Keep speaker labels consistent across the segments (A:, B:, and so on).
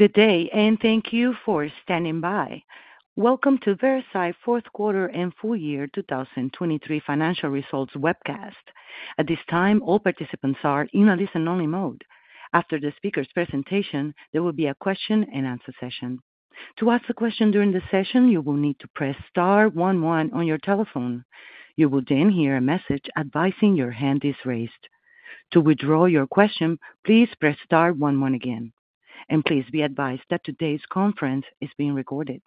A: Good day and thank you for standing by. Welcome to Veracyte Fourth Quarter and Full Year 2023 Financial Results webcast. At this time, all participants are in a listen-only mode. After the speaker's presentation, there will be a question-and-answer session. To ask a question during the session, you will need to press Star 11 on your telephone. You will then hear a message advising your hand is raised. To withdraw your question, please press Star 11 again. Please be advised that today's conference is being recorded.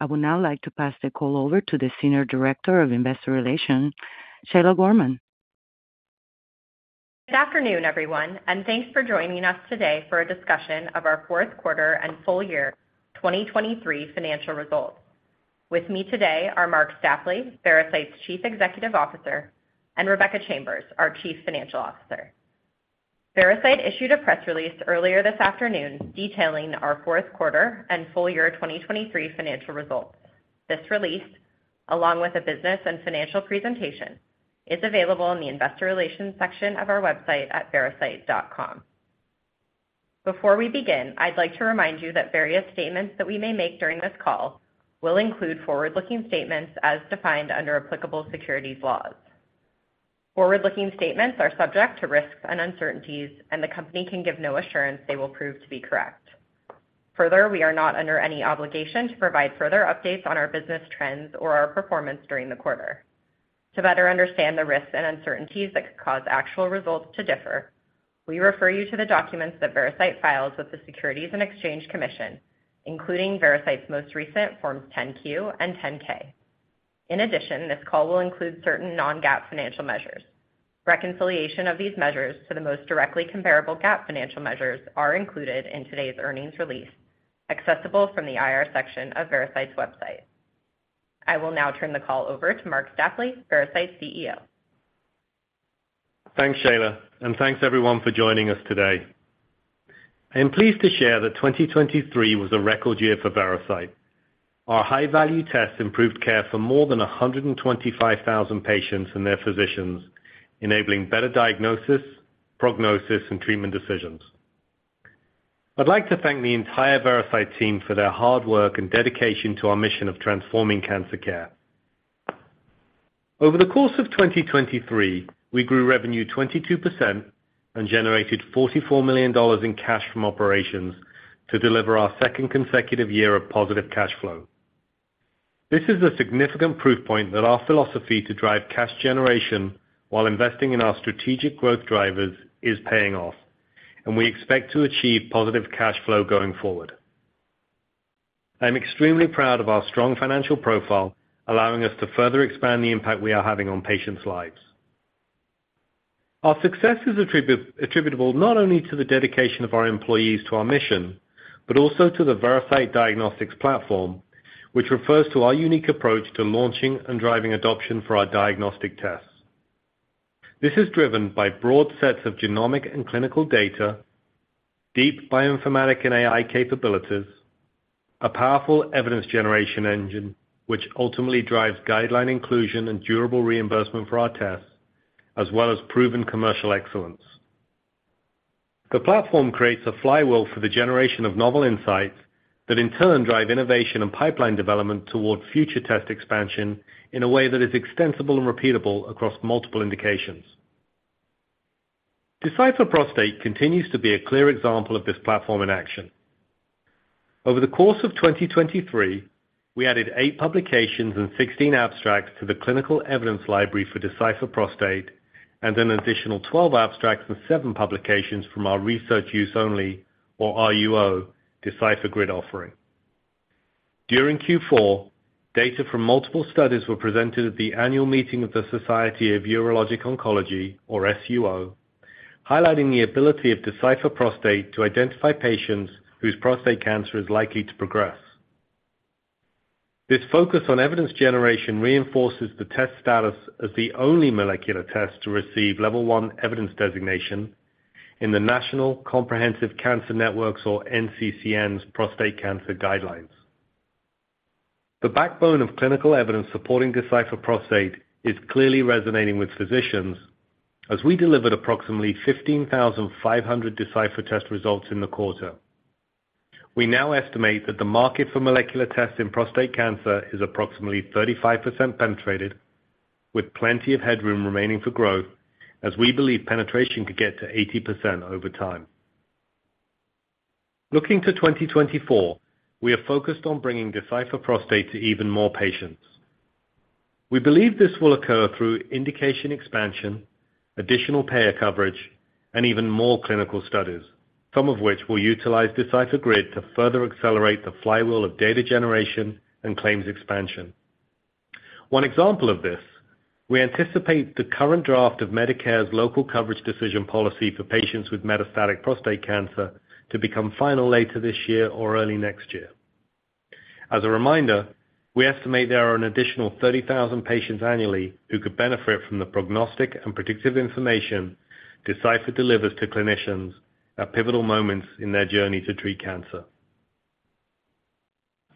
A: I would now like to pass the call over to the Senior Director of Investor Relations, Shayla Gorman.
B: Good afternoon, everyone, and thanks for joining us today for a discussion of our Fourth Quarter and Full Year 2023 Financial Results. With me today are Marc Stapley, Veracyte's Chief Executive Officer, and Rebecca Chambers, our Chief Financial Officer. Veracyte issued a press release earlier this afternoon detailing our Fourth Quarter and Full Year 2023 Financial Results. This release, along with a business and financial presentation, is available in the Investor Relations section of our website at veracyte.com. Before we begin, I'd like to remind you that various statements that we may make during this call will include forward-looking statements as defined under applicable securities laws. Forward-looking statements are subject to risks and uncertainties, and the company can give no assurance they will prove to be correct. Further, we are not under any obligation to provide further updates on our business trends or our performance during the quarter. To better understand the risks and uncertainties that could cause actual results to differ, we refer you to the documents that Veracyte files with the Securities and Exchange Commission, including Veracyte's most recent Forms 10-Q and 10-K. In addition, this call will include certain non-GAAP financial measures. Reconciliation of these measures to the most directly comparable GAAP financial measures are included in today's earnings release, accessible from the IR section of Veracyte's website. I will now turn the call over to Marc Stapley, Veracyte's CEO.
C: Thanks, Shayla, and thanks everyone for joining us today. I am pleased to share that 2023 was a record year for Veracyte. Our high-value tests improved care for more than 125,000 patients and their physicians, enabling better diagnosis, prognosis, and treatment decisions. I'd like to thank the entire Veracyte team for their hard work and dedication to our mission of transforming cancer care. Over the course of 2023, we grew revenue 22% and generated $44 million in cash from operations to deliver our second consecutive year of positive cash flow. This is a significant proof point that our philosophy to drive cash generation while investing in our strategic growth drivers is paying off, and we expect to achieve positive cash flow going forward. I am extremely proud of our strong financial profile, allowing us to further expand the impact we are having on patients' lives. Our success is attributable not only to the dedication of our employees to our mission but also to the Veracyte diagnostics platform, which refers to our unique approach to launching and driving adoption for our diagnostic tests. This is driven by broad sets of genomic and clinical data, deep bioinformatic and AI capabilities, a powerful evidence generation engine which ultimately drives guideline inclusion and durable reimbursement for our tests, as well as proven commercial excellence. The platform creates a flywheel for the generation of novel insights that in turn drive innovation and pipeline development toward future test expansion in a way that is extensible and repeatable across multiple indications. Decipher Prostate continues to be a clear example of this platform in action. Over the course of 2023, we added 8 publications and 16 abstracts to the Clinical Evidence Library for Decipher Prostate and an additional 12 abstracts and 7 publications from our research-use-only, or RUO, Decipher GRID offering. During Q4, data from multiple studies were presented at the annual meeting of the Society of Urologic Oncology, or SUO, highlighting the ability of Decipher Prostate to identify patients whose prostate cancer is likely to progress. This focus on evidence generation reinforces the test status as the only molecular test to receive Level 1 evidence designation in the National Comprehensive Cancer Networks, or NCCN's, prostate cancer guidelines. The backbone of clinical evidence supporting Decipher Prostate is clearly resonating with physicians as we delivered approximately 15,500 Decipher test results in the quarter. We now estimate that the market for molecular tests in prostate cancer is approximately 35% penetrated, with plenty of headroom remaining for growth as we believe penetration could get to 80% over time. Looking to 2024, we are focused on bringing Decipher Prostate to even more patients. We believe this will occur through indication expansion, additional payer coverage, and even more clinical studies, some of which will utilize Decipher GRID to further accelerate the flywheel of data generation and claims expansion. One example of this: we anticipate the current draft of Medicare's Local Coverage Decision policy for patients with metastatic prostate cancer to become final later this year or early next year. As a reminder, we estimate there are an additional 30,000 patients annually who could benefit from the prognostic and predictive information Decipher delivers to clinicians at pivotal moments in their journey to treat cancer.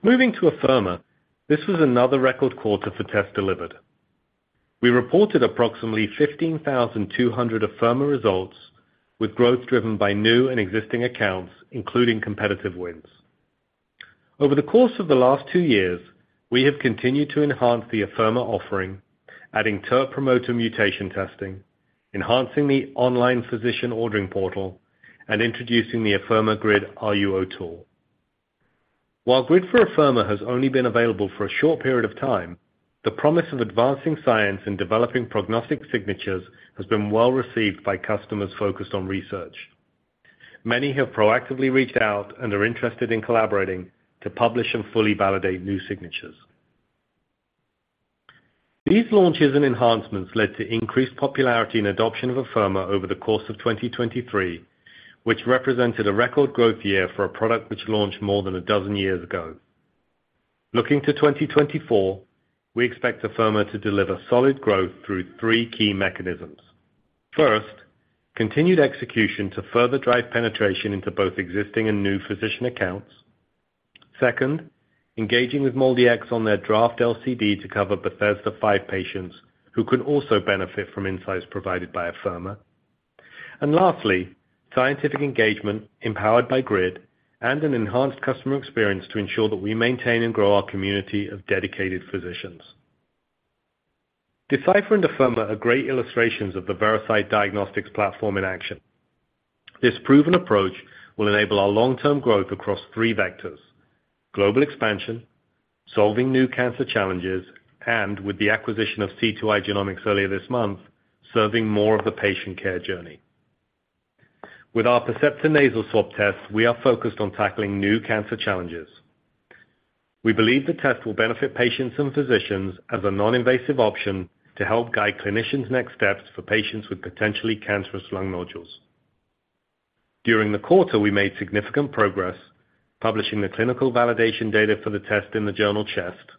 C: Moving to Afirma, this was another record quarter for tests delivered. We reported approximately 15,200 Afirma results, with growth driven by new and existing accounts, including competitive wins. Over the course of the last two years, we have continued to enhance the Afirma offering, adding TERT promoter mutation testing, enhancing the online physician ordering portal, and introducing the Afirma GRID RUO tool. While GRID for Afirma has only been available for a short period of time, the promise of advancing science in developing prognostic signatures has been well received by customers focused on research. Many have proactively reached out and are interested in collaborating to publish and fully validate new signatures. These launches and enhancements led to increased popularity and adoption of Afirma over the course of 2023, which represented a record growth year for a product which launched more than a dozen years ago. Looking to 2024, we expect Afirma to deliver solid growth through three key mechanisms. First, continued execution to further drive penetration into both existing and new physician accounts. Second, engaging with MolDX on their draft LCD to cover Bethesda V patients who could also benefit from insights provided by Afirma. And lastly, scientific engagement empowered by GRID and an enhanced customer experience to ensure that we maintain and grow our community of dedicated physicians. Decipher and Afirma are great illustrations of the Veracyte diagnostics platform in action. This proven approach will enable our long-term growth across three vectors: global expansion, solving new cancer challenges, and, with the acquisition of C2i Genomics earlier this month, serving more of the patient care journey. With our Percepta Nasal Swab test, we are focused on tackling new cancer challenges. We believe the test will benefit patients and physicians as a non-invasive option to help guide clinicians' next steps for patients with potentially cancerous lung nodules. During the quarter, we made significant progress publishing the clinical validation data for the test in the journal CHEST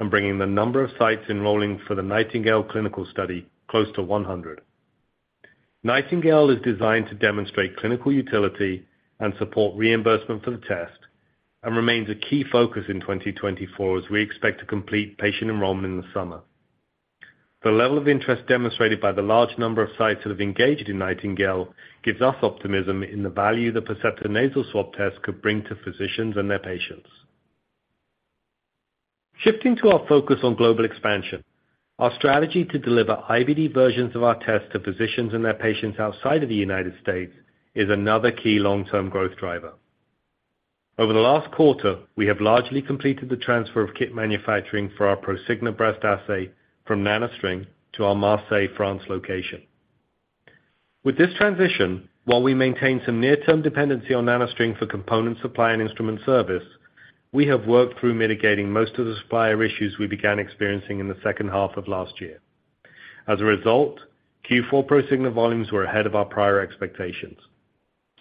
C: and bringing the number of sites enrolling for the NIGHTINGALE clinical study close to 100. NIGHTINGALE is designed to demonstrate clinical utility and support reimbursement for the test and remains a key focus in 2024 as we expect to complete patient enrollment in the summer. The level of interest demonstrated by the large number of sites that have engaged in NIGHTINGALE gives us optimism in the value the Percepta Nasal Swab test could bring to physicians and their patients. Shifting to our focus on global expansion, our strategy to deliver IVD versions of our test to physicians and their patients outside of the United States is another key long-term growth driver. Over the last quarter, we have largely completed the transfer of kit manufacturing for our ProSigna breast assay from NanoString to our Marseille, France, location. With this transition, while we maintain some near-term dependency on NanoString for component supply and instrument service, we have worked through mitigating most of the supplier issues we began experiencing in the second half of last year. As a result, Q4 ProSigna volumes were ahead of our prior expectations.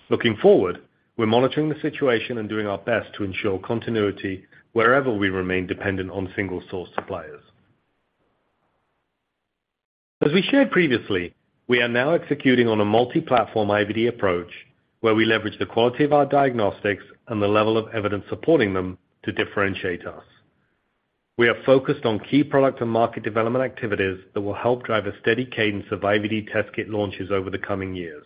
C: Looking forward, we're monitoring the situation and doing our best to ensure continuity wherever we remain dependent on single-source suppliers. As we shared previously, we are now executing on a multi-platform IVD approach where we leverage the quality of our diagnostics and the level of evidence supporting them to differentiate us. We are focused on key product and market development activities that will help drive a steady cadence of IVD test kit launches over the coming years.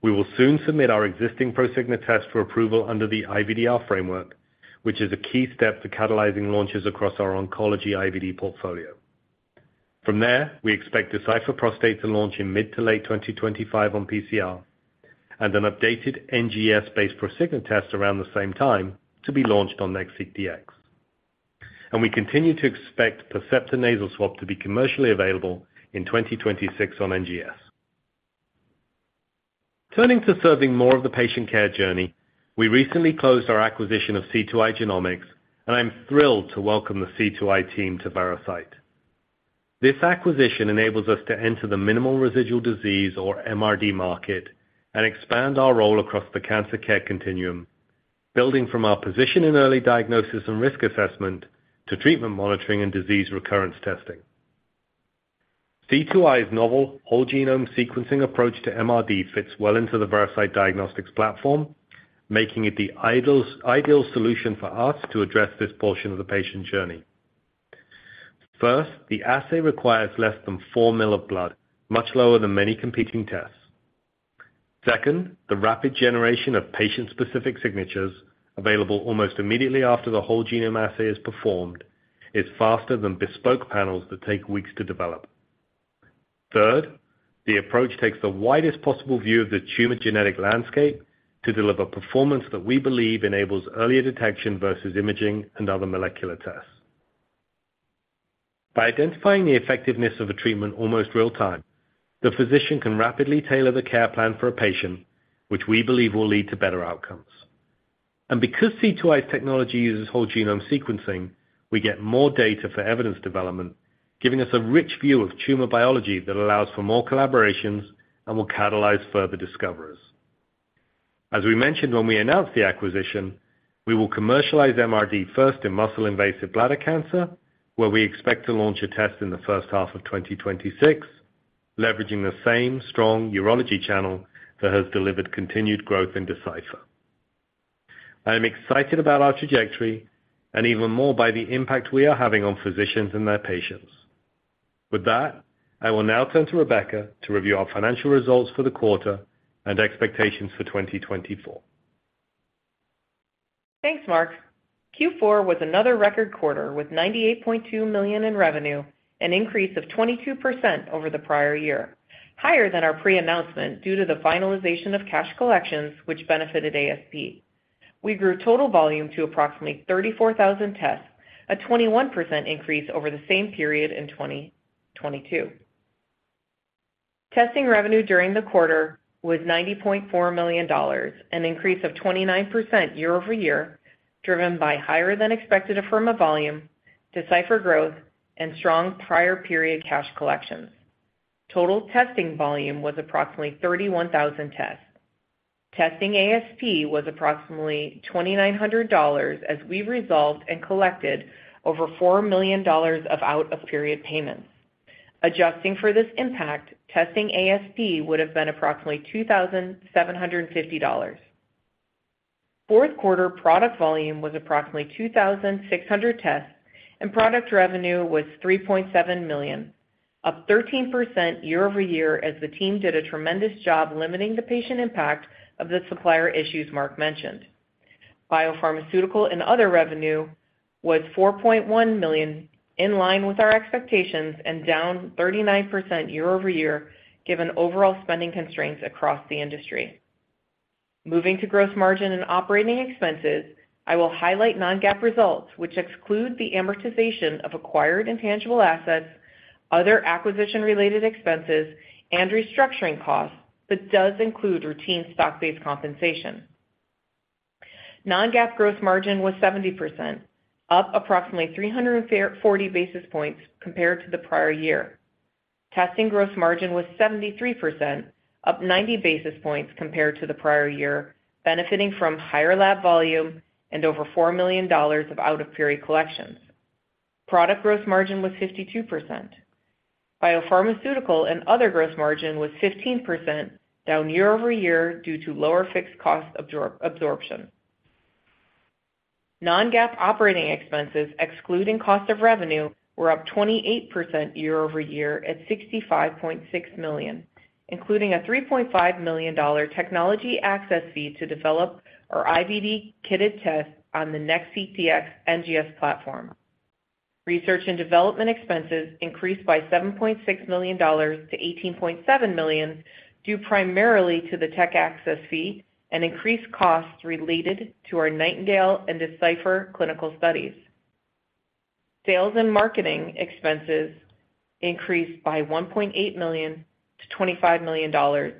C: We will soon submit our existing ProSigna test for approval under the IVDR framework, which is a key step to catalysing launches across our oncology IVD portfolio. From there, we expect Decipher Prostate to launch in mid to late 2025 on PCR, and an updated NGS-based ProSigna test around the same time to be launched on NextSeq 550Dx. We continue to expect Percepta Nasal Swab to be commercially available in 2026 on NGS. Turning to serving more of the patient care journey, we recently closed our acquisition of C2i Genomics, and I'm thrilled to welcome the C2i team to Veracyte. This acquisition enables us to enter the minimal residual disease, or MRD, market and expand our role across the cancer care continuum, building from our position in early diagnosis and risk assessment to treatment monitoring and disease recurrence testing. C2i's novel, whole genome sequencing approach to MRD fits well into the Veracyte diagnostics platform, making it the ideal solution for us to address this portion of the patient journey. First, the assay requires less than 4 ml of blood, much lower than many competing tests. Second, the rapid generation of patient-specific signatures available almost immediately after the whole genome assay is performed is faster than bespoke panels that take weeks to develop. Third, the approach takes the widest possible view of the tumor genetic landscape to deliver performance that we believe enables earlier detection versus imaging and other molecular tests. By identifying the effectiveness of a treatment almost real-time, the physician can rapidly tailor the care plan for a patient, which we believe will lead to better outcomes. And because C2i's technology uses whole genome sequencing, we get more data for evidence development, giving us a rich view of tumor biology that allows for more collaborations and will catalyze further discoveries. As we mentioned when we announced the acquisition, we will commercialize MRD first in muscle-invasive bladder cancer, where we expect to launch a test in the first half of 2026, leveraging the same strong urology channel that has delivered continued growth in Decipher. I am excited about our trajectory, and even more by the impact we are having on physicians and their patients. With that, I will now turn to Rebecca to review our financial results for the quarter and expectations for 2024.
D: Thanks, Marc. Q4 was another record quarter with $98.2 million in revenue, an increase of 22% over the prior year, higher than our pre-announcement due to the finalization of cash collections, which benefited ASP. We grew total volume to approximately 34,000 tests, a 21% increase over the same period in 2022. Testing revenue during the quarter was $90.4 million, an increase of 29% year-over-year, driven by higher-than-expected Afirma volume, Decipher growth, and strong prior period cash collections. Total testing volume was approximately 31,000 tests. Testing ASP was approximately $2,900 as we resolved and collected over $4 million of out-of-period payments. Adjusting for this impact, testing ASP would have been approximately $2,750. Fourth quarter product volume was approximately 2,600 tests, and product revenue was $3.7 million, up 13% year-over-year as the team did a tremendous job limiting the patient impact of the supplier issues Marc mentioned. Biopharmaceutical and other revenue was $4.1 million, in line with our expectations and down 39% year-over-year given overall spending constraints across the industry. Moving to gross margin and operating expenses, I will highlight non-GAAP results, which exclude the amortization of acquired intangible assets, other acquisition-related expenses, and restructuring costs, but does include routine stock-based compensation. Non-GAAP gross margin was 70%, up approximately 340 basis points compared to the prior year. Testing gross margin was 73%, up 90 basis points compared to the prior year, benefiting from higher lab volume and over $4 million of out-of-period collections. Product gross margin was 52%. Biopharmaceutical and other gross margin was 15%, down year-over-year due to lower fixed cost absorption. Non-GAAP operating expenses, excluding cost of revenue, were up 28% year-over-year at $65.6 million, including a $3.5 million technology access fee to develop our IVD-kitted test on the NextSeq 550Dx NGS platform. Research and development expenses increased by $7.6 million to $18.7 million due primarily to the tech access fee and increased costs related to our NIGHTINGALE and Decipher clinical studies. Sales and marketing expenses increased by $1.8 million to $25 million.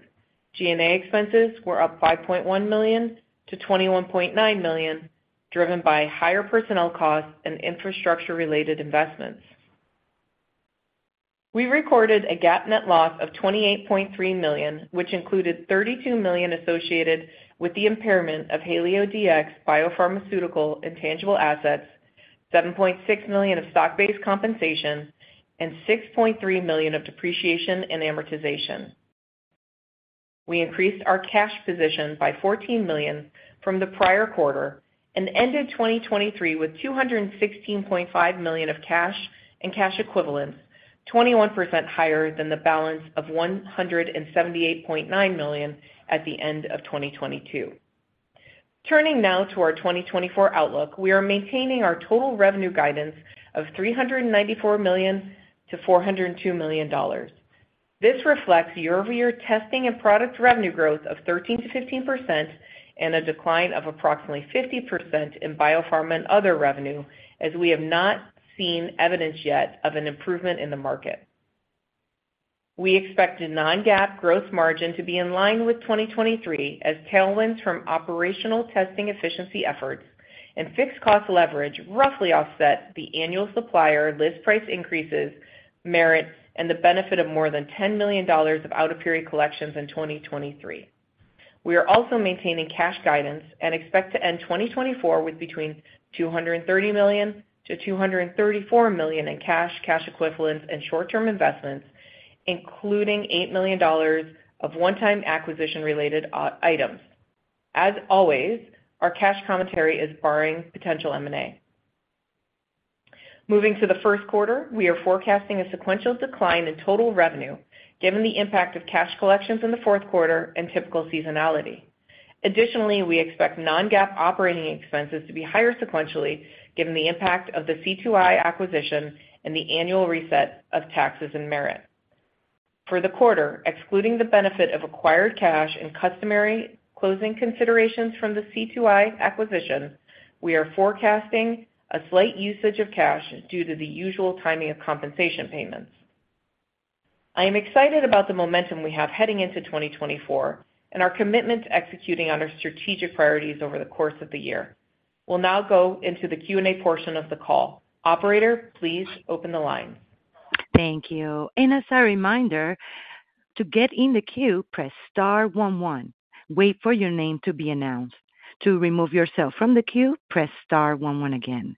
D: G&A expenses were up $5.1 million to $21.9 million, driven by higher personnel costs and infrastructure-related investments. We recorded a GAAP net loss of $28.3 million, which included $32 million associated with the impairment of HalioDx biopharmaceutical intangible assets, $7.6 million of stock-based compensation, and $6.3 million of depreciation and amortization. We increased our cash position by $14 million from the prior quarter and ended 2023 with $216.5 million of cash and cash equivalents, 21% higher than the balance of $178.9 million at the end of 2022. Turning now to our 2024 outlook, we are maintaining our total revenue guidance of $394 million-$402 million. This reflects year-over-year testing and product revenue growth of 13%-15% and a decline of approximately 50% in biopharma and other revenue, as we have not seen evidence yet of an improvement in the market. We expect the non-GAAP gross margin to be in line with 2023 as tailwinds from operational testing efficiency efforts and fixed cost leverage roughly offset the annual supplier list price increases, merit, and the benefit of more than $10 million of out-of-period collections in 2023. We are also maintaining cash guidance and expect to end 2024 with between $230 million-$234 million in cash, cash equivalents, and short-term investments, including $8 million of one-time acquisition-related items. As always, our cash commentary is barring potential M&A. Moving to the first quarter, we are forecasting a sequential decline in total revenue given the impact of cash collections in the fourth quarter and typical seasonality. Additionally, we expect non-GAAP operating expenses to be higher sequentially given the impact of the C2i acquisition and the annual reset of taxes and merit. For the quarter, excluding the benefit of acquired cash and customary closing considerations from the C2i acquisition, we are forecasting a slight usage of cash due to the usual timing of compensation payments. I am excited about the momentum we have heading into 2024 and our commitment to executing on our strategic priorities over the course of the year. We'll now go into the Q&A portion of the call. Operator, please open the line.
A: Thank you. As a reminder, to get in the queue, press *11. Wait for your name to be announced. To remove yourself from the queue, press *11 again.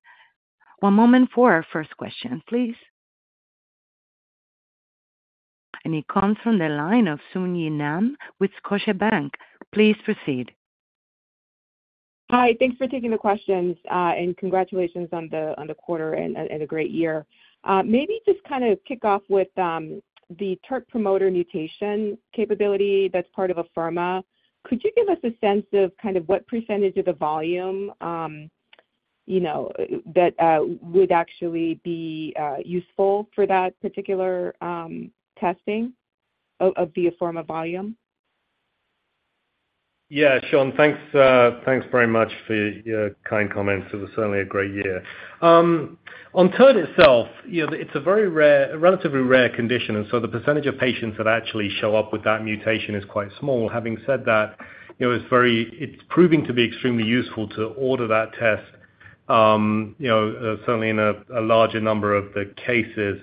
A: One moment for our first question, please. It comes from the line of Sung Ji Nam with Scotiabank. Please proceed.
E: Hi. Thanks for taking the questions, and congratulations on the quarter and a great year. Maybe just kind of kick off with the TERT promoter mutation capability that's part of Afirma. Could you give us a sense of kind of what percentage of the volume that would actually be useful for that particular testing of the Afirma volume?
C: Yeah, Sung. Thanks very much for your kind comments. It was certainly a great year. On TERT itself, it's a relatively rare condition, and so the percentage of patients that actually show up with that mutation is quite small. Having said that, it's proving to be extremely useful to order that test, certainly in a larger number of the cases.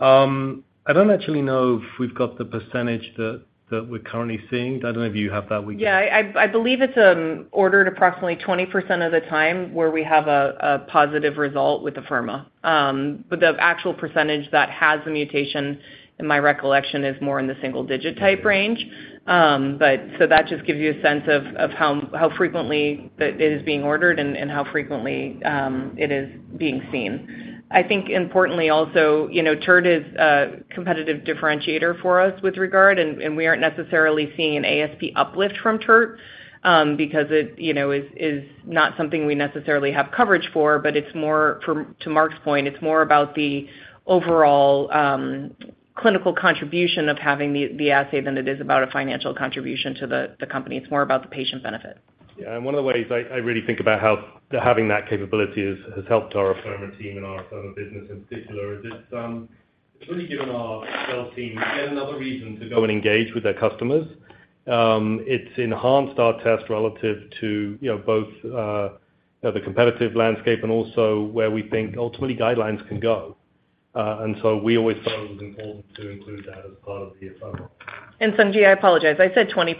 C: I don't actually know if we've got the percentage that we're currently seeing. I don't know if you have that.
D: Yeah. I believe it's ordered approximately 20% of the time where we have a positive result with Afirma. But the actual percentage that has the mutation, in my recollection, is more in the single-digit type range. So that just gives you a sense of how frequently it is being ordered and how frequently it is being seen. I think, importantly also, TERT is a competitive differentiator for us with regard, and we aren't necessarily seeing an ASP uplift from TERT because it is not something we necessarily have coverage for. But to Marc's point, it's more about the overall clinical contribution of having the assay than it is about a financial contribution to the company. It's more about the patient benefit.
C: Yeah. And one of the ways I really think about how having that capability has helped our Afirma team and our Afirma business in particular is it's really given our sales team yet another reason to go and engage with their customers. It's enhanced our test relative to both the competitive landscape and also where we think, ultimately, guidelines can go. And so we always thought it was important to include that as part of the Afirma.
D: And Sung Ji, I apologize. I said 20%.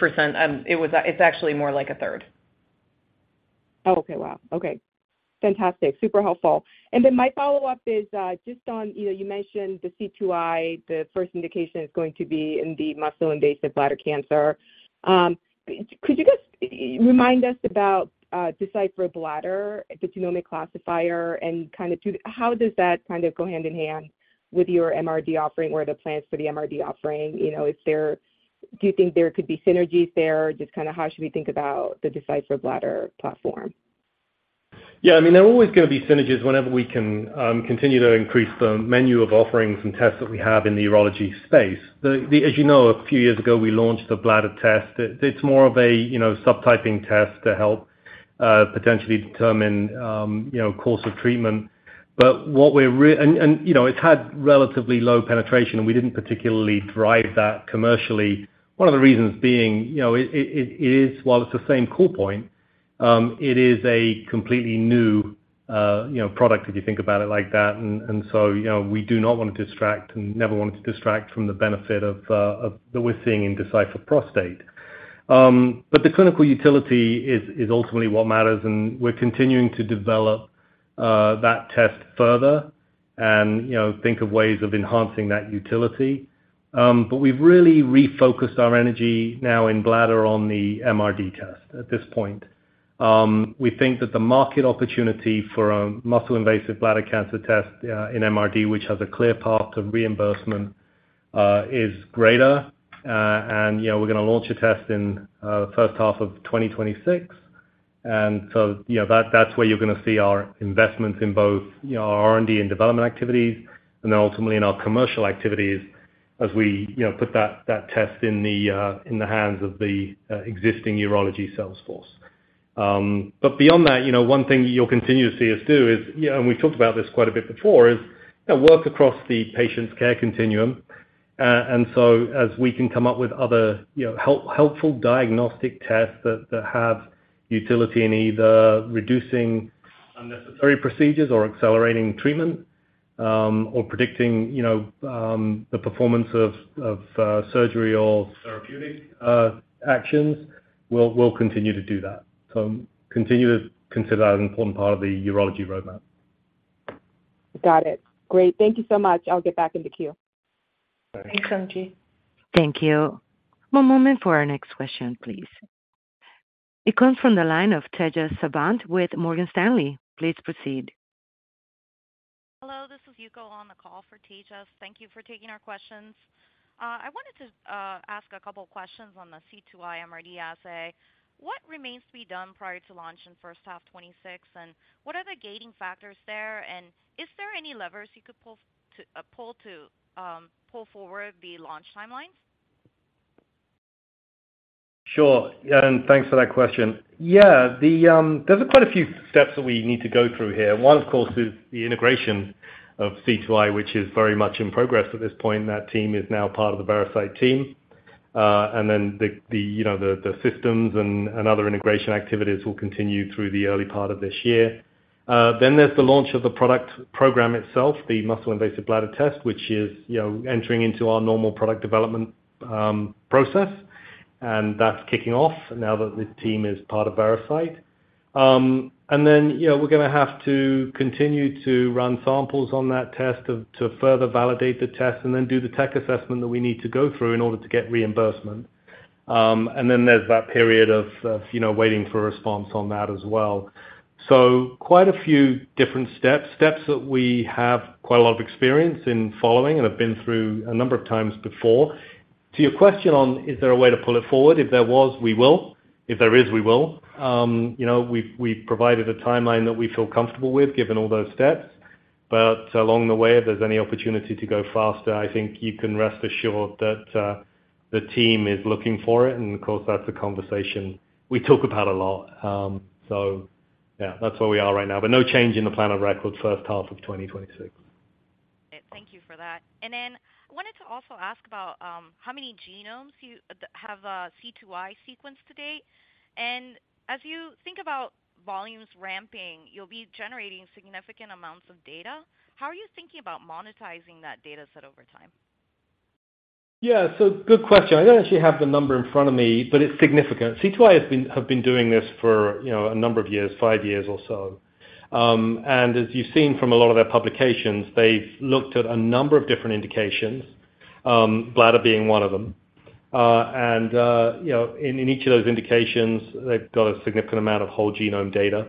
D: It's actually more like a third.
E: Oh, okay. Wow. Okay. Fantastic. Super helpful. And then my follow-up is just on you mentioned the C2i. The first indication is going to be in the muscle-invasive bladder cancer. Could you guys remind us about Decipher Bladder, the genomic classifier, and kind of how does that kind of go hand in hand with your MRD offering or the plans for the MRD offering? Do you think there could be synergies there? Just kind of how should we think about the Decipher Bladder platform?
C: Yeah. I mean, there are always going to be synergies whenever we can continue to increase the menu of offerings and tests that we have in the urology space. As you know, a few years ago, we launched the bladder test. It's more of a subtyping test to help potentially determine course of treatment. But what we're and it's had relatively low penetration, and we didn't particularly drive that commercially, one of the reasons being it is while it's the same call point, it is a completely new product if you think about it like that. And so we do not want to distract and never wanted to distract from the benefit that we're seeing in Decipher Prostate. But the clinical utility is ultimately what matters, and we're continuing to develop that test further and think of ways of enhancing that utility. But we've really refocused our energy now in bladder on the MRD test at this point. We think that the market opportunity for a muscle-invasive bladder cancer test in MRD, which has a clear path to reimbursement, is greater. And we're going to launch a test in the first half of 2026. And so that's where you're going to see our investments in both our R&D and development activities and then ultimately in our commercial activities as we put that test in the hands of the existing urology salesforce. But beyond that, one thing you'll continue to see us do is and we've talked about this quite a bit before is work across the patient's care continuum. And so as we can come up with other helpful diagnostic tests that have utility in either reducing unnecessary procedures or accelerating treatment or predicting the performance of surgery or therapeutic actions, we'll continue to do that. So continue to consider that an important part of the urology roadmap.
E: Got it. Great. Thank you so much. I'll get back in the queue.
D: Thanks, Sung Ji.
A: Thank you. One moment for our next question, please. It comes from the line of Tejas Savant with Morgan Stanley. Please proceed.
F: Hello. This is Yuko on the call for Tejas. Thank you for taking our questions. I wanted to ask a couple of questions on the C2i MRD assay. What remains to be done prior to launch in first half 2026, and what are the gating factors there? And is there any levers you could pull to pull forward the launch timelines?
C: Sure. And thanks for that question. Yeah. There's quite a few steps that we need to go through here. One, of course, is the integration of C2i, which is very much in progress at this point. That team is now part of the Veracyte team. And then the systems and other integration activities will continue through the early part of this year. Then there's the launch of the product program itself, the muscle-invasive bladder test, which is entering into our normal product development process. That's kicking off now that the team is part of Veracyte. Then we're going to have to continue to run samples on that test to further validate the test and then do the tech assessment that we need to go through in order to get reimbursement. Then there's that period of waiting for a response on that as well. Quite a few different steps, steps that we have quite a lot of experience in following and have been through a number of times before. To your question on is there a way to pull it forward, if there was, we will. If there is, we will. We've provided a timeline that we feel comfortable with given all those steps. Along the way, if there's any opportunity to go faster, I think you can rest assured that the team is looking for it. And of course, that's a conversation we talk about a lot. So yeah, that's where we are right now. But no change in the plan of record first half of 2026.
F: Thank you for that. And then I wanted to also ask about how many genomes have a C2i sequence to date. And as you think about volumes ramping, you'll be generating significant amounts of data. How are you thinking about monetizing that dataset over time?
C: Yeah. So good question. I don't actually have the number in front of me, but it's significant. C2i have been doing this for a number of years, 5 years or so. And as you've seen from a lot of their publications, they've looked at a number of different indications, bladder being one of them. And in each of those indications, they've got a significant amount of whole genome data.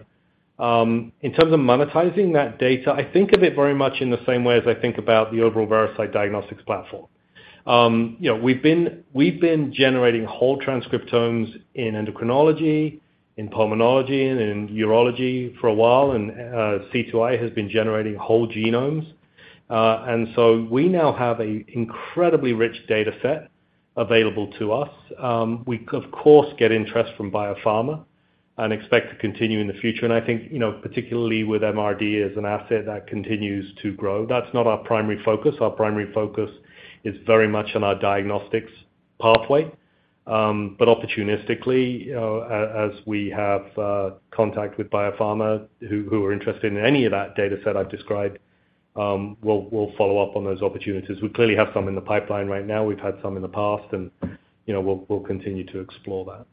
C: In terms of monetizing that data, I think of it very much in the same way as I think about the overall Veracyte diagnostics platform. We've been generating whole transcriptomes in endocrinology, in pulmonology, and in urology for a while. C2i has been generating whole genomes. So we now have an incredibly rich dataset available to us. We, of course, get interest from biopharma and expect to continue in the future. I think particularly with MRD as an asset that continues to grow, that's not our primary focus. Our primary focus is very much on our diagnostics pathway. Opportunistically, as we have contact with biopharma who are interested in any of that dataset I've described, we'll follow up on those opportunities. We clearly have some in the pipeline right now. We've had some in the past, and we'll continue to explore that.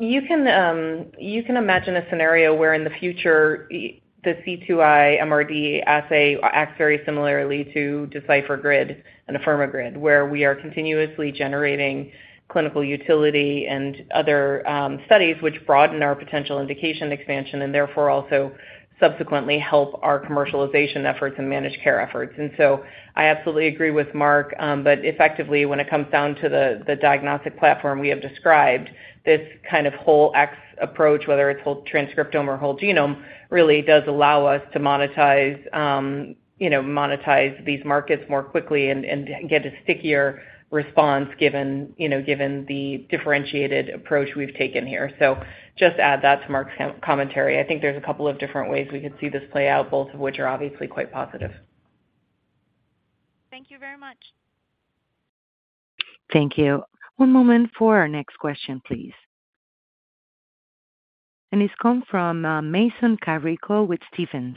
D: You can imagine a scenario where in the future, the C2i MRD assay acts very similarly to Decipher GRID and Afirma GRID where we are continuously generating clinical utility and other studies, which broaden our potential indication expansion and therefore also subsequently help our commercialization efforts and managed care efforts. And so I absolutely agree with Marc. But effectively, when it comes down to the diagnostic platform we have described, this kind of whole X approach, whether it's whole transcriptome or whole genome, really does allow us to monetize these markets more quickly and get a stickier response given the differentiated approach we've taken here. So just add that to Marc's commentary. I think there's a couple of different ways we could see this play out, both of which are obviously quite positive.
F: Thank you very much.
A: Thank you. One moment for our next question, please. It's come from Mason Carrico with Stephens.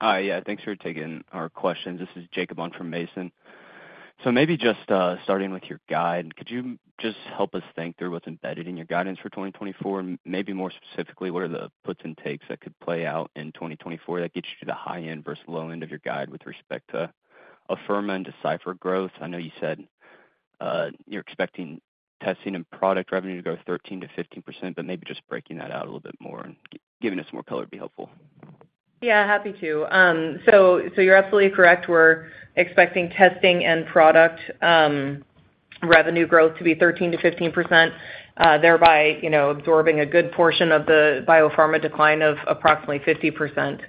A: Please proceed.
G: Hi. Yeah. Thanks for taking our questions. This is Jacob on for Mason. Maybe just starting with your guide, could you just help us think through what's embedded in your guidance for 2024? And maybe more specifically, what are the puts and takes that could play out in 2024 that gets you to the high end versus low end of your guide with respect to Afirma and Decipher growth? I know you said you're expecting testing and product revenue to grow 13%-15%, but maybe just breaking that out a little bit more and giving us more color would be helpful.
D: Yeah. Happy to. You're absolutely correct. We're expecting testing and product revenue growth to be 13%-15%, thereby absorbing a good portion of the biopharma decline of approximately 50%.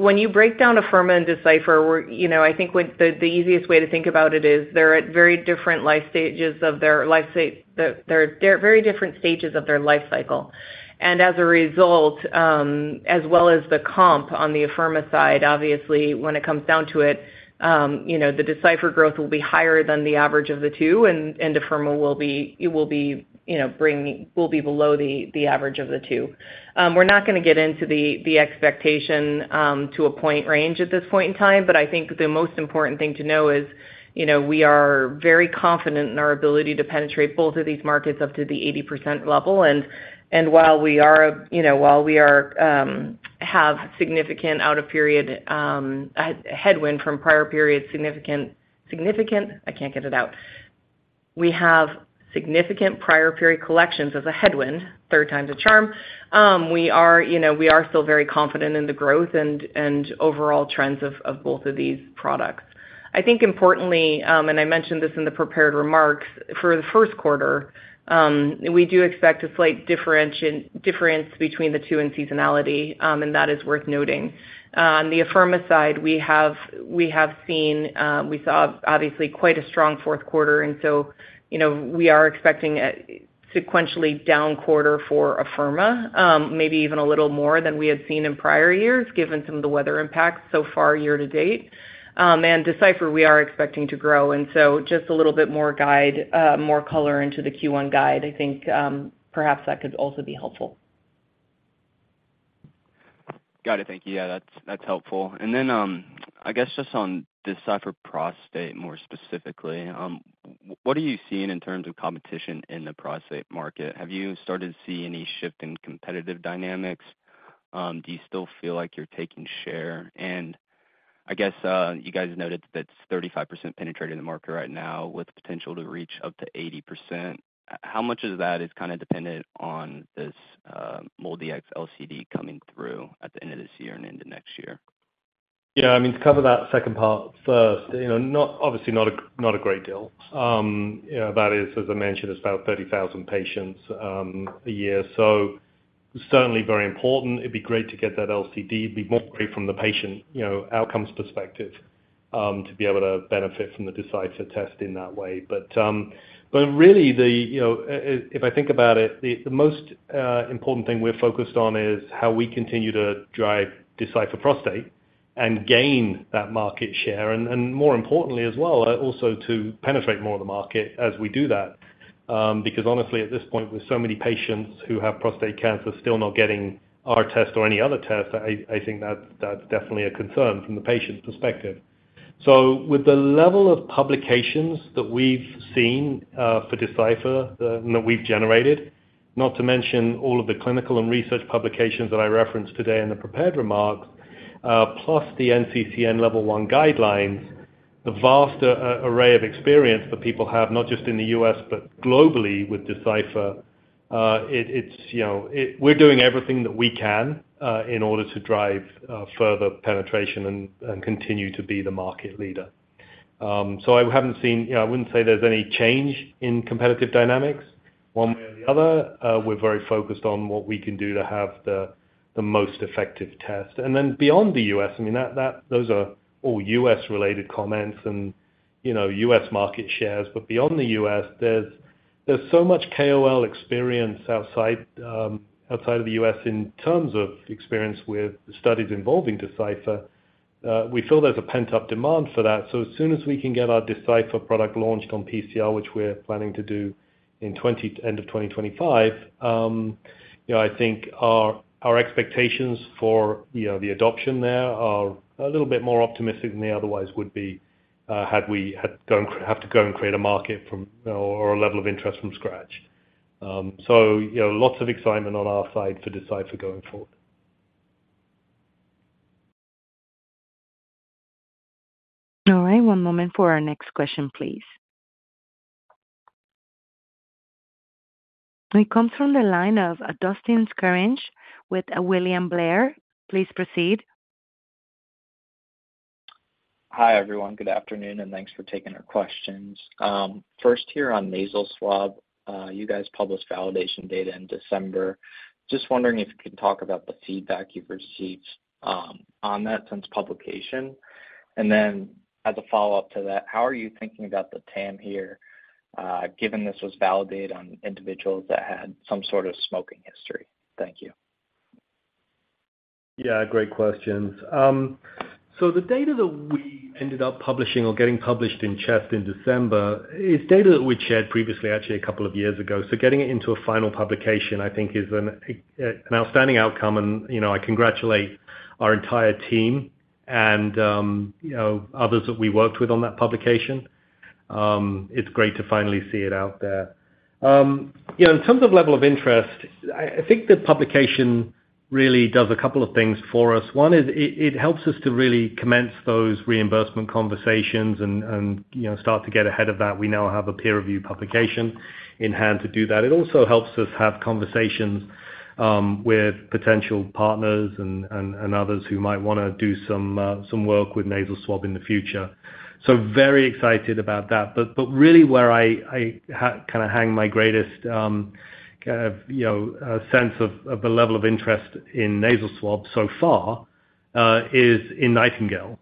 D: When you break down Afirma and Decipher, I think the easiest way to think about it is they're at very different stages of their life cycle. And as a result, as well as the comp on the Afirma side, obviously, when it comes down to it, the Decipher growth will be higher than the average of the two, and Afirma will be below the average of the two. We're not going to get into the expectation to a point range at this point in time, but I think the most important thing to know is we are very confident in our ability to penetrate both of these markets up to the 80% level. And while we have significant out-of-period headwind from prior period significant. We have significant prior period collections as a headwind, third time's a charm. We are still very confident in the growth and overall trends of both of these products. I think importantly - and I mentioned this in the prepared remarks - for the first quarter, we do expect a slight difference between the two in seasonality, and that is worth noting. On the Afirma side, we saw, obviously, quite a strong fourth quarter. And so we are expecting a sequentially down quarter for Afirma, maybe even a little more than we had seen in prior years given some of the weather impacts so far year to date. And Decipher, we are expecting to grow. And so just a little bit more guide, more color into the Q1 guide, I think perhaps that could also be helpful.
G: Got it. Thank you. Yeah. That's helpful. Then I guess just on Decipher Prostate more specifically, what are you seeing in terms of competition in the prostate market? Have you started to see any shift in competitive dynamics? Do you still feel like you're taking share? And I guess you guys noted that it's 35% penetrated in the market right now with potential to reach up to 80%. How much of that is kind of dependent on this MolDX LCD coming through at the end of this year and into next year?
C: Yeah. I mean, to cover that second part first, obviously, not a great deal. That is, as I mentioned, it's about 30,000 patients a year. So certainly very important. It'd be great to get that LCD. It'd be more great from the patient outcomes perspective to be able to benefit from the Decipher test in that way. But really, if I think about it, the most important thing we're focused on is how we continue to drive Decipher Prostate and gain that market share. More importantly as well, also to penetrate more of the market as we do that. Because honestly, at this point, with so many patients who have prostate cancer still not getting our test or any other test, I think that's definitely a concern from the patient's perspective. With the level of publications that we've seen for Decipher and that we've generated, not to mention all of the clinical and research publications that I referenced today in the prepared remarks, plus the NCCN Level 1 guidelines, the vast array of experience that people have not just in the U.S. but globally with Decipher, we're doing everything that we can in order to drive further penetration and continue to be the market leader. So, I haven't seen, yeah. I wouldn't say there's any change in competitive dynamics one way or the other. We're very focused on what we can do to have the most effective test. And then beyond the U.S., I mean, those are all U.S.-related comments and U.S. market shares. But beyond the U.S., there's so much KOL experience outside of the U.S. in terms of experience with studies involving Decipher. We feel there's a pent-up demand for that. So as soon as we can get our Decipher product launched on PCR, which we're planning to do in end of 2025, I think our expectations for the adoption there are a little bit more optimistic than they otherwise would be had we had to go and create a market or a level of interest from scratch. So lots of excitement on our side for Decipher going forward.
A: All right. One moment for our next question, please. It comes from the line of Dustin Scaringe with William Blair. Please proceed.
H: Hi everyone. Good afternoon, and thanks for taking our questions. First here nasal swab, you guys published validation data in December. Just wondering if you can talk about the feedback you've received on that since publication. And then as a follow-up to that, how are you thinking about the TAM here given this was validated on individuals that had some sort of smoking history? Thank you.
C: Yeah. Great questions. So the data that we ended up publishing or getting published in CHEST in December is data that we'd shared previously, actually, a couple of years ago. So getting it into a final publication, I think, is an outstanding outcome. And I congratulate our entire team and others that we worked with on that publication. It's great to finally see it out there. In terms of level of interest, I think the publication really does a couple of things for us. One is it helps us to really commence those reimbursement conversations and start to get ahead of that. We now have a peer-reviewed publication in hand to do that. It also helps us have conversations with potential partners and others who might want to do some work with nasal swab in the future. So very excited about that. But really, where I kind of hang my greatest sense of the level of interest in nasal swab so far is in NIGHTINGALE.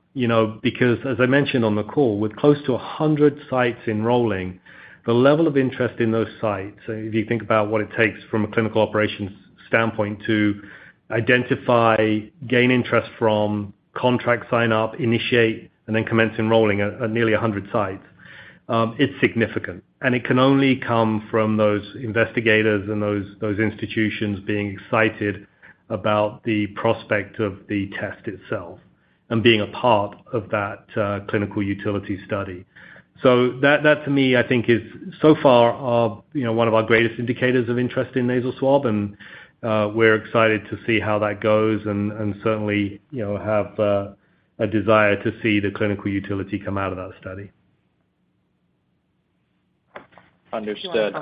C: Because as I mentioned on the call, with close to 100 sites enrolling, the level of interest in those sites if you think about what it takes from a clinical operations standpoint to identify, gain interest from, contract sign-up, initiate, and then commence enrolling at nearly 100 sites, it's significant. And it can only come from those investigators and those institutions being excited about the prospect of the test itself and being a part of that clinical utility study. So that, to me, I think is so far one of our greatest indicators of interest nasal swab. and we're excited to see how that goes and certainly have a desire to see the clinical utility come out of that study.
H: Understood.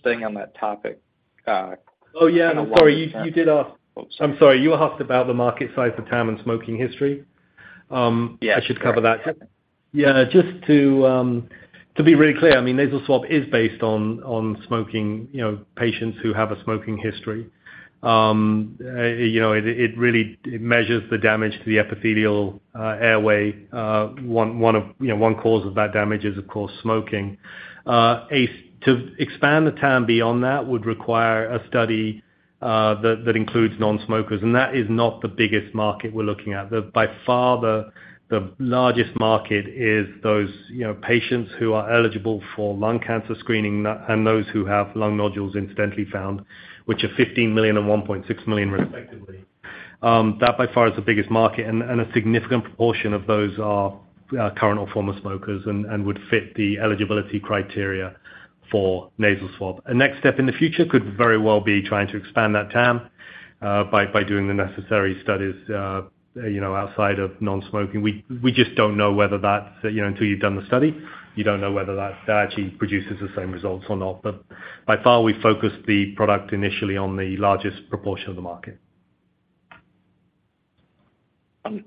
H: Staying on that topic for a while.
C: Oh, yeah. Sorry. You did ask I'm sorry. You asked about the market size for TAM and smoking history. I should cover that. Yeah. Just to be really clear, I mean, nasal swab is based on smoking patients who have a smoking history. It really measures the damage to the epithelial airway. One cause of that damage is, of course, smoking. To expand the TAM beyond that would require a study that includes nonsmokers. And that is not the biggest market we're looking at. By far, the largest market is those patients who are eligible for lung cancer screening and those who have lung nodules incidentally found, which are 15 million and 1.6 million, respectively. That, by far, is the biggest market. And a significant proportion of those are current or former smokers and would fit the eligibility criteria for nasal swab. A next step in the future could very well be trying to expand that TAM by doing the necessary studies outside of nonsmoking. We just don't know whether that's until you've done the study, you don't know whether that actually produces the same results or not. But by far, we've focused the product initially on the largest proportion of the market.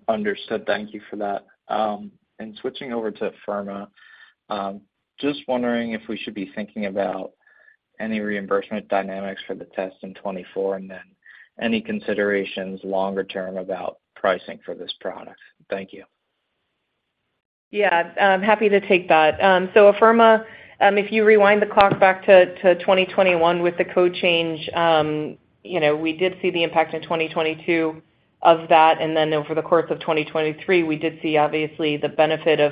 H: Understood. Thank you for that. And switching over to Afirma, just wondering if we should be thinking about any reimbursement dynamics for the test in 2024 and then any considerations longer-term about pricing for this product. Thank you.
D: Yeah. Happy to take that. So Afirma, if you rewind the clock back to 2021 with the code change, we did see the impact in 2022 of that. And then over the course of 2023, we did see, obviously, the benefit of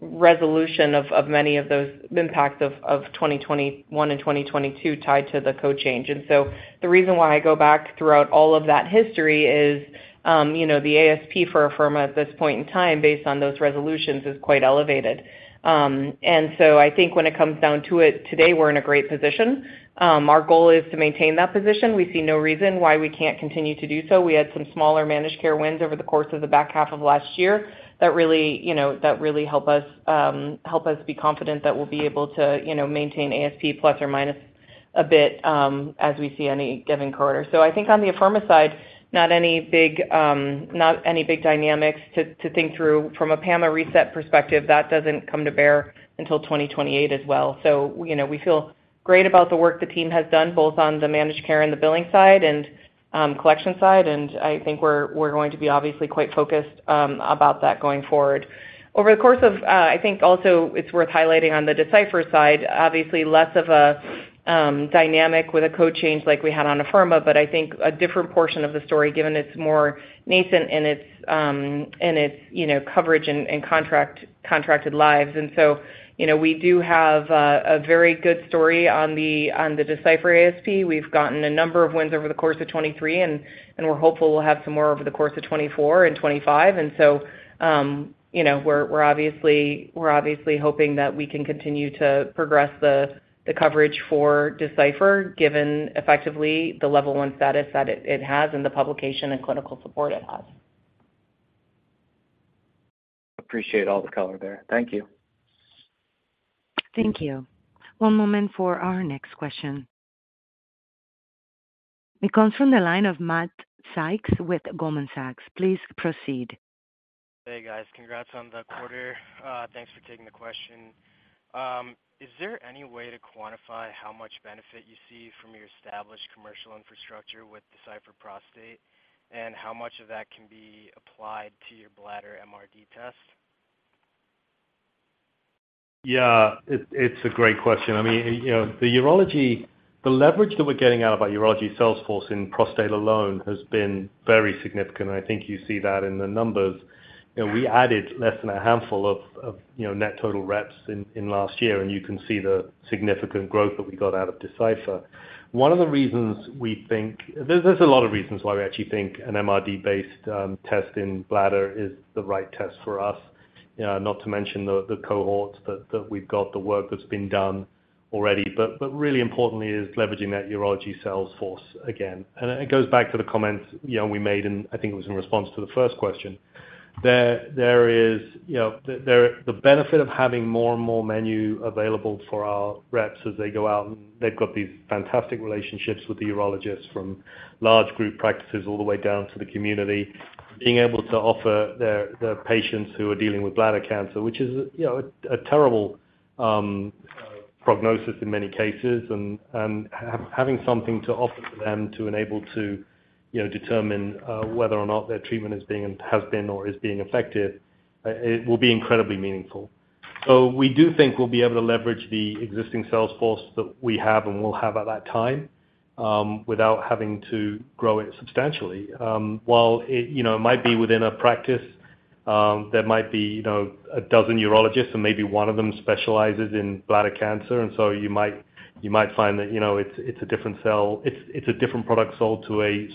D: resolution of many of those impacts of 2021 and 2022 tied to the code change. The reason why I go back throughout all of that history is the ASP for Afirma at this point in time, based on those resolutions, is quite elevated. I think when it comes down to it today, we're in a great position. Our goal is to maintain that position. We see no reason why we can't continue to do so. We had some smaller managed care wins over the course of the back half of last year that really help us be confident that we'll be able to maintain ASP plus or minus a bit as we see any given quarter. I think on the Afirma side, not any big dynamics to think through. From a PAMA reset perspective, that doesn't come to bear until 2028 as well. So we feel great about the work the team has done, both on the managed care and the billing side and collection side. And I think we're going to be, obviously, quite focused about that going forward. Over the course of I think also, it's worth highlighting on the Decipher side, obviously, less of a dynamic with a code change like we had on Afirma, but I think a different portion of the story given it's more nascent in its coverage and contracted lives. And so we do have a very good story on the Decipher ASP. We've gotten a number of wins over the course of 2023, and we're hopeful we'll have some more over the course of 2024 and 2025. And so we're obviously hoping that we can continue to progress the coverage for Decipher given, effectively, the Level 1 status that it has and the publication and clinical support it has.
H: Appreciate all the color there. Thank you.
A: Thank you. One moment for our next question. It comes from the line of Matt Sykes with Goldman Sachs. Please proceed.
I: Hey, guys. Congrats on the quarter. Thanks for taking the question. Is there any way to quantify how much benefit you see from your established commercial infrastructure with Decipher Prostate and how much of that can be applied to your bladder MRD test?
C: Yeah. It's a great question. I mean, the leverage that we're getting out of our urology sales force in prostate alone has been very significant. And I think you see that in the numbers. We added less than a handful of net total reps in last year, and you can see the significant growth that we got out of Decipher. One of the reasons we think there's a lot of reasons why we actually think an MRD-based test in bladder is the right test for us, not to mention the cohorts that we've got, the work that's been done already. But really importantly is leveraging that urology sales force again. And it goes back to the comments we made, and I think it was in response to the first question. There is the benefit of having more and more menu available for our reps as they go out. And they've got these fantastic relationships with the urologists from large group practices all the way down to the community, being able to offer their patients who are dealing with bladder cancer, which is a terrible prognosis in many cases, and having something to offer to them to enable to determine whether or not their treatment has been or is being effective; it will be incredibly meaningful. So we do think we'll be able to leverage the existing sales force that we have and will have at that time without having to grow it substantially. While it might be within a practice, there might be a dozen urologists, and maybe one of them specializes in bladder cancer. And so you might find that it's a different sell; it's a different product sold to a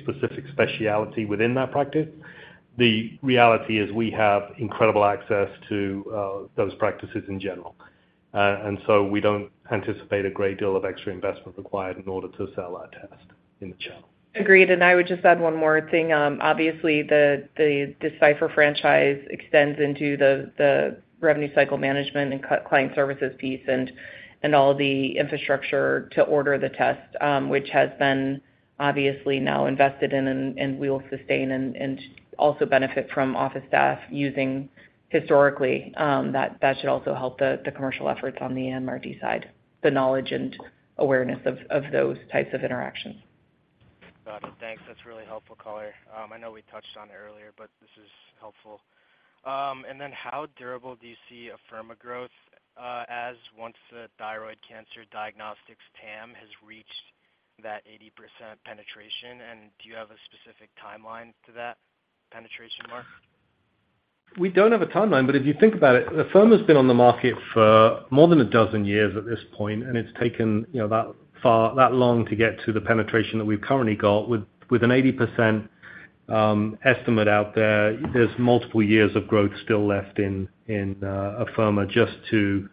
C: specific specialty within that practice. The reality is we have incredible access to those practices in general. So we don't anticipate a great deal of extra investment required in order to sell our test in the channel.
D: Agreed. I would just add one more thing. Obviously, the Decipher franchise extends into the revenue cycle management and client services piece and all the infrastructure to order the test, which has been, obviously, now invested in and will sustain and also benefit from office staff using historically. That should also help the commercial efforts on the MRD side, the knowledge and awareness of those types of interactions.
I: Got it. Thanks. That's really helpful, caller. I know we touched on it earlier, but this is helpful. Then how durable do you see Afirma growth as once the thyroid cancer diagnostics TAM has reached that 80% penetration? Do you have a specific timeline to that penetration mark?
C: We don't have a timeline. But if you think about it, Afirma's been on the market for more than a dozen years at this point, and it's taken that long to get to the penetration that we've currently got. With an 80% estimate out there, there's multiple years of growth still left in Afirma just to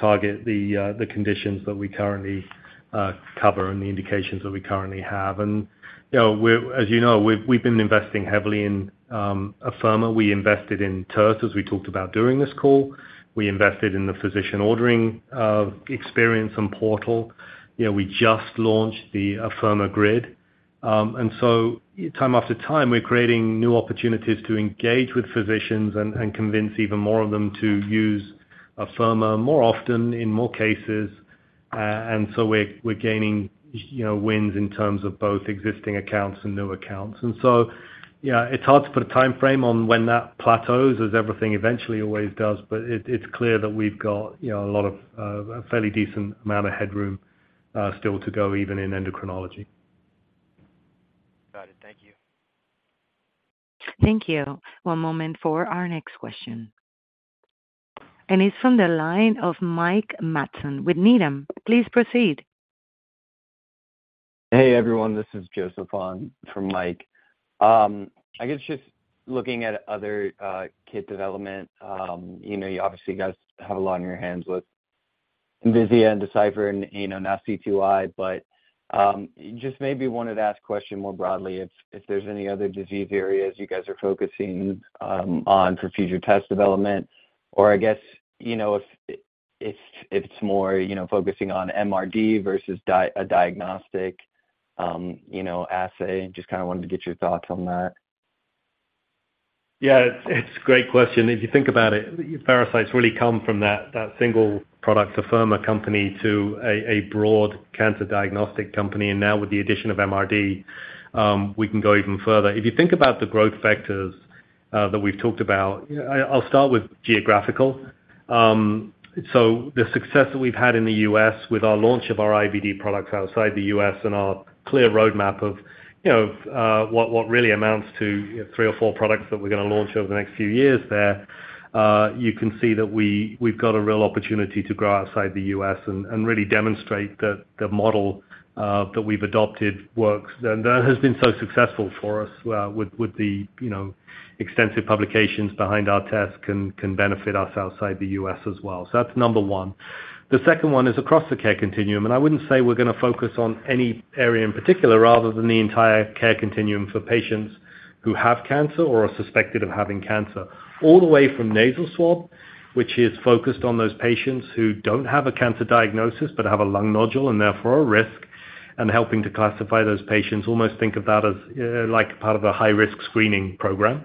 C: target the conditions that we currently cover and the indications that we currently have. And as you know, we've been investing heavily in Afirma. We invested in TERT, as we talked about during this call. We invested in the physician ordering experience and portal. We just launched the Afirma GRID. And so time after time, we're creating new opportunities to engage with physicians and convince even more of them to use Afirma more often in more cases. And so we're gaining wins in terms of both existing accounts and new accounts. And so it's hard to put a time frame on when that plateaus, as everything eventually always does. But it's clear that we've got a lot of a fairly decent amount of headroom still to go, even in endocrinology.
I: Got it. Thank you.
A: Thank you. One moment for our next question. It's from the line of Mike Matson with Needham. Please proceed. Hey, everyone.
J: This is Joseph on for Mike. I guess just looking at other kit development, you obviously guys have a lot on your hands with Envisia, Decipher, and now C2i. But just maybe wanted to ask a question more broadly if there's any other disease areas you guys are focusing on for future test development or, I guess, if it's more focusing on MRD versus a diagnostic assay. Just kind of wanted to get your thoughts on that.
C: Yeah. It's a great question. If you think about it, Veracyte really come from that single product, Afirma company, to a broad cancer diagnostic company. And now with the addition of MRD, we can go even further. If you think about the growth factors that we've talked about, I'll start with geographical. So the success that we've had in the U.S. with our launch of our IVD products outside the U.S. and our clear roadmap of what really amounts to three or four products that we're going to launch over the next few years there, you can see that we've got a real opportunity to grow outside the U.S. and really demonstrate that the model that we've adopted works and that has been so successful for us with the extensive publications behind our test can benefit us outside the U.S. as well. So that's number one. The second one is across the care continuum. I wouldn't say we're going to focus on any area in particular rather than the entire care continuum for patients who have cancer or are suspected of having cancer, all the way from nasal swab, which is focused on those patients who don't have a cancer diagnosis but have a lung nodule and therefore are at risk, and helping to classify those patients. Almost think of that as part of a high-risk screening program,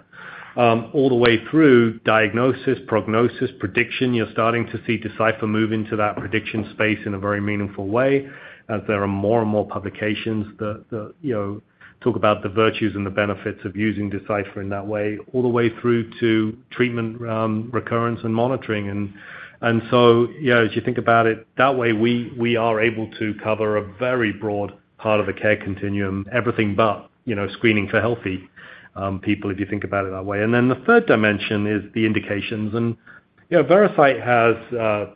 C: all the way through diagnosis, prognosis, prediction. You're starting to see Decipher move into that prediction space in a very meaningful way as there are more and more publications that talk about the virtues and the benefits of using Decipher in that way, all the way through to treatment recurrence and monitoring. And so, as you think about it that way, we are able to cover a very broad part of the care continuum, everything but screening for healthy people if you think about it that way. And then the third dimension is the indications. And Veracyte has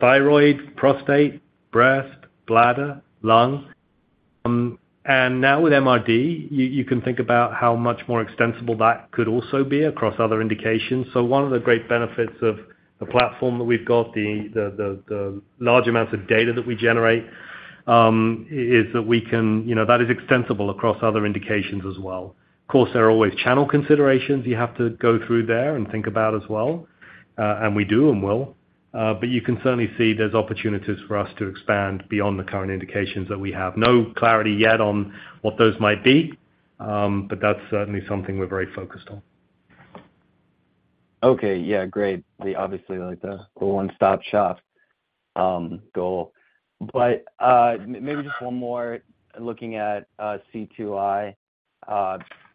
C: thyroid, prostate, breast, bladder, lung. And now with MRD, you can think about how much more extensible that could also be across other indications. So one of the great benefits of the platform that we've got, the large amounts of data that we generate, is that we can, that is, extensible across other indications as well. Of course, there are always channel considerations you have to go through there and think about as well. And we do and will. But you can certainly see there's opportunities for us to expand beyond the current indications that we have. No clarity yet on what those might be, but that's certainly something we're very focused on.
J: Okay. Yeah. Great. Obviously, the one-stop shop goal. But maybe just one more, looking at C2i,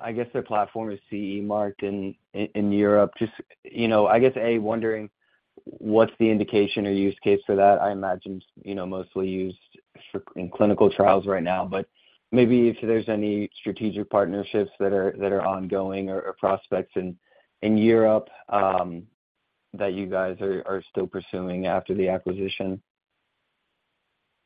J: I guess their platform is CE marked in Europe. I guess, A, wondering what's the indication or use case for that. I imagine it's mostly used in clinical trials right now. But maybe if there's any strategic partnerships that are ongoing or prospects in Europe that you guys are still pursuing after the acquisition?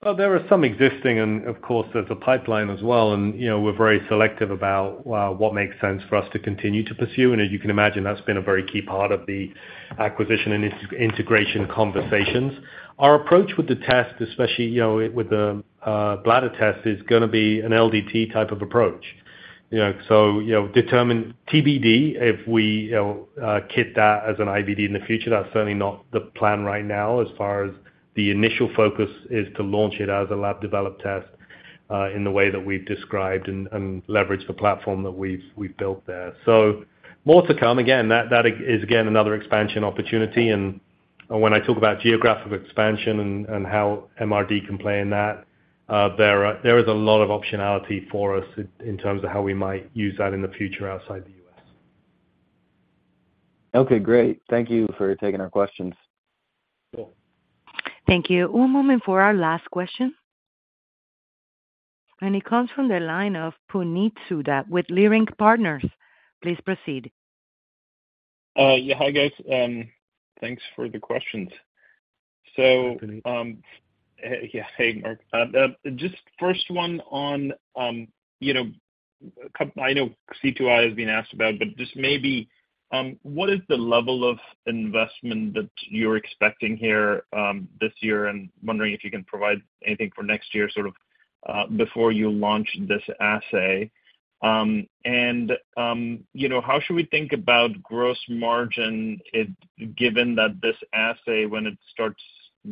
C: Well, there are some existing. And of course, there's a pipeline as well. And we're very selective about what makes sense for us to continue to pursue. And as you can imagine, that's been a very key part of the acquisition and integration conversations. Our approach with the test, especially with the bladder test, is going to be an LDT type of approach. to be determined if we kit that as an IVD in the future. That's certainly not the plan right now as far as the initial focus is to launch it as a lab-developed test in the way that we've described and leverage the platform that we've built there. So more to come. Again, that is, again, another expansion opportunity. And when I talk about geographic expansion and how MRD can play in that, there is a lot of optionality for us in terms of how we might use that in the future outside the US.
J: Okay. Great. Thank you for taking our questions.
A: Thank you. One moment for our last question. And it comes from the line of Puneet Souda with Leerink Partners. Please proceed.
K: Yeah. Hi, guys. Thanks for the questions. So yeah. Hey, Marc. Just first one on, I know VCYT has been asked about, but just maybe what is the level of investment that you're expecting here this year? And wondering if you can provide anything for next year sort of before you launch this assay. And how should we think about gross margin given that this assay, when it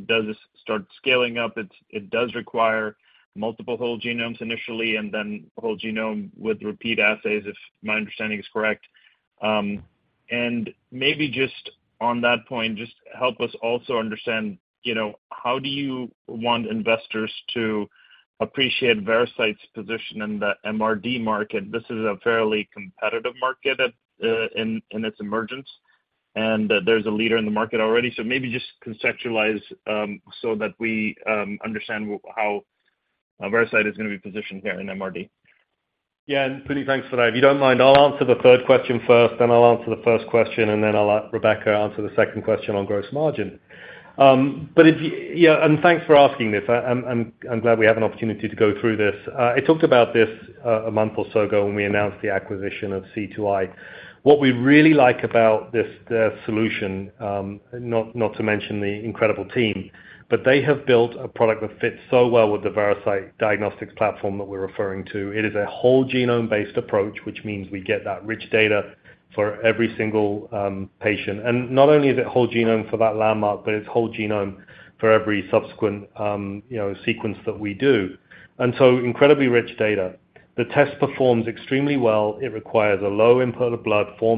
K: does start scaling up, it does require multiple whole genomes initially and then whole genome with repeat assays, if my understanding is correct? And maybe just on that point, just help us also understand how do you want investors to appreciate Veracyte's position in the MRD market? This is a fairly competitive market in its emergence, and there's a leader in the market already. So maybe just conceptualize so that we understand how Veracyte is going to be positioned here in MRD.
C: Yeah. And Puneet, thanks for that. If you don't mind, I'll answer the third question first, then I'll answer the first question, and then I'll let Rebecca answer the second question on gross margin. But yeah. And thanks for asking this. I'm glad we had an opportunity to go through this. I talked about this a month or so ago when we announced the acquisition of C2i. What we really like about this solution, not to mention the incredible team, but they have built a product that fits so well with the Veracyte diagnostics platform that we're referring to. It is a whole genome-based approach, which means we get that rich data for every single patient. And not only is it whole genome for that landmark, but it's whole genome for every subsequent sequence that we do. And so incredibly rich data. The test performs extremely well. It requires a low input of blood, 4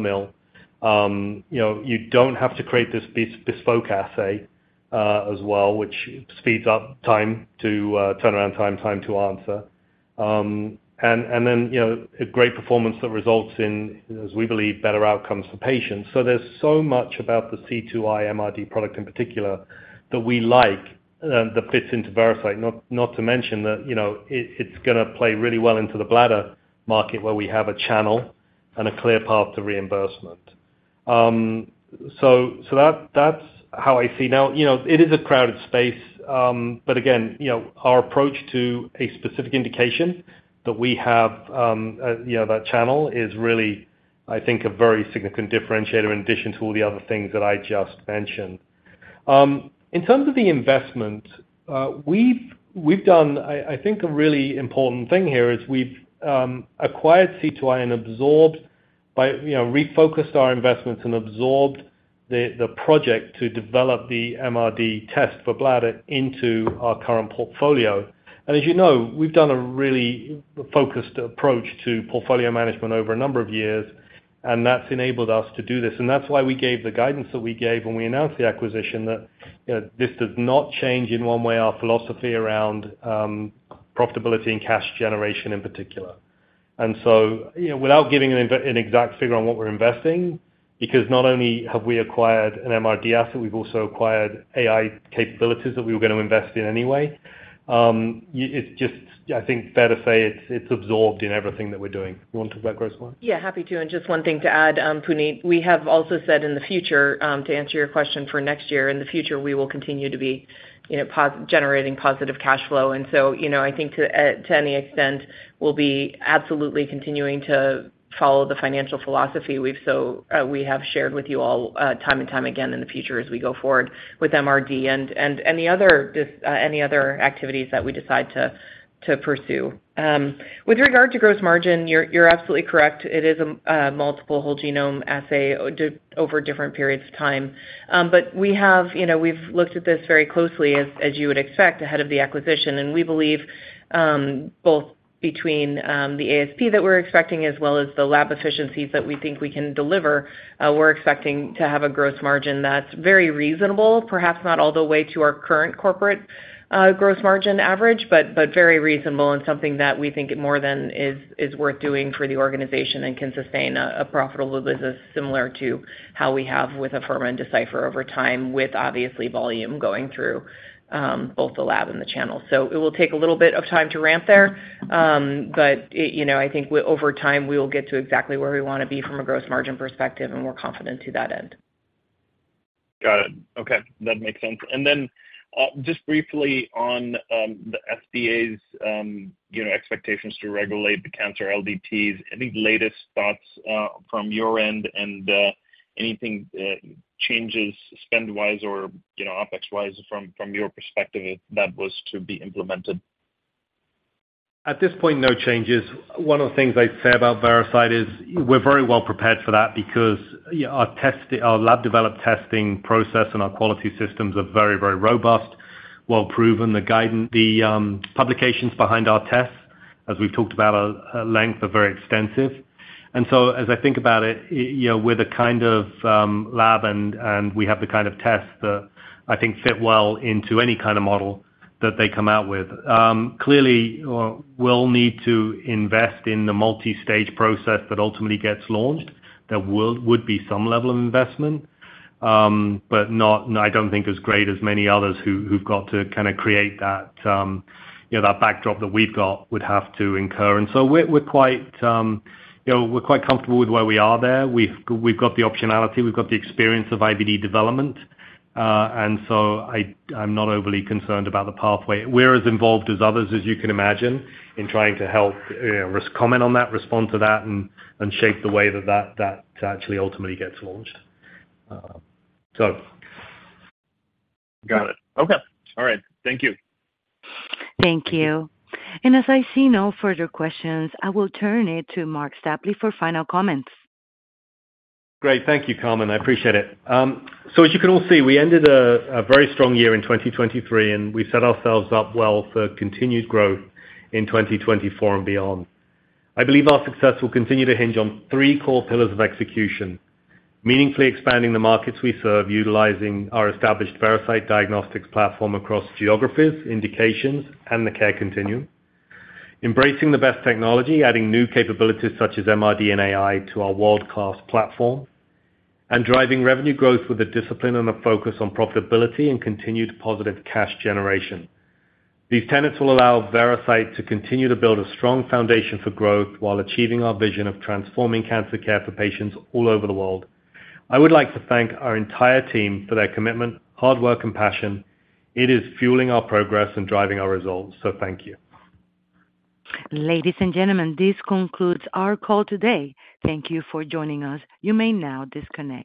C: ml.You don't have to create this bespoke assay as well, which speeds up time, turnaround time, time to answer. And then a great performance that results in, as we believe, better outcomes for patients. So there's so much about the C2i MRD product in particular that we like that fits into Veracyte, not to mention that it's going to play really well into the bladder market where we have a channel and a clear path to reimbursement. So that's how I see now. It is a crowded space. But again, our approach to a specific indication that we have, that channel, is really, I think, a very significant differentiator in addition to all the other things that I just mentioned. In terms of the investment, we've done I think a really important thing here is we've acquired C2i and absorbed and refocused our investments and absorbed the project to develop the MRD test for bladder into our current portfolio. And as you know, we've done a really focused approach to portfolio management over a number of years, and that's enabled us to do this. And that's why we gave the guidance that we gave when we announced the acquisition, that this does not change in one way our philosophy around profitability and cash generation in particular. And so without giving an exact figure on what we're investing because not only have we acquired an MRD asset, we've also acquired AI capabilities that we were going to invest in anyway, it's just, I think, fair to say it's absorbed in everything that we're doing. You want to talk about gross margin?
D: Yeah. Happy to. And just one thing to add, Puneet. We have also said in the future, to answer your question for next year, in the future, we will continue to be generating positive cash flow. And so I think to any extent, we'll be absolutely continuing to follow the financial philosophy we have shared with you all time and time again in the future as we go forward with MRD and any other activities that we decide to pursue. With regard to gross margin, you're absolutely correct. It is a multiple whole genome assay over different periods of time. But we've looked at this very closely, as you would expect, ahead of the acquisition. And we believe, both between the ASP that we're expecting as well as the lab efficiencies that we think we can deliver, we're expecting to have a gross margin that's very reasonable, perhaps not all the way to our current corporate gross margin average, but very reasonable and something that we think more than is worth doing for the organization and can sustain a profitable business similar to how we have with Afirma and Decipher over time with, obviously, volume going through both the lab and the channel. So it will take a little bit of time to ramp there. But I think over time, we will get to exactly where we want to be from a gross margin perspective, and we're confident to that end.
K: Got it. Okay. That makes sense. And then just briefly on the FDA's expectations to regulate the cancer LDTs, any latest thoughts from your end and anything changes spend-wise or OpEx-wise from your perspective if that was to be implemented?
C: At this point, no changes. One of the things I'd say about Veracyte is we're very well prepared for that because our lab-developed testing process and our quality systems are very, very robust, well-proven. The publications behind our tests, as we've talked about at length, are very extensive. And so as I think about it, we're the kind of lab, and we have the kind of tests that I think fit well into any kind of model that they come out with. Clearly, we'll need to invest in the multi-stage process that ultimately gets launched. There would be some level of investment, but I don't think as great as many others who've got to kind of create that backdrop that we've got would have to incur. So we're quite comfortable with where we are there. We've got the optionality. We've got the experience of IVD development. So I'm not overly concerned about the pathway. We're as involved as others, as you can imagine, in trying to help comment on that, respond to that, and shape the way that that actually ultimately gets launched, so.
K: Got it. Okay. All right. Thank you.
A: Thank you. And as I see no further questions, I will turn it to Marc Stapley for final comments.
C: Great. Thank you, Carmen. I appreciate it. So as you can all see, we ended a very strong year in 2023, and we've set ourselves up well for continued growth in 2024 and beyond. I believe our success will continue to hinge on three core pillars of execution: meaningfully expanding the markets we serve, utilizing our established Veracyte diagnostics platform across geographies, indications, and the care continuum, embracing the best technology, adding new capabilities such as MRD and AI to our world-class platform, and driving revenue growth with a discipline and a focus on profitability and continued positive cash generation. These tenets will allow Veracyte to continue to build a strong foundation for growth while achieving our vision of transforming cancer care for patients all over the world. I would like to thank our entire team for their commitment, hard work, and passion. It is fueling our progress and driving our results. So thank you.
A: Ladies and gentlemen, this concludes our call today. Thank you for joining us. You may now disconnect.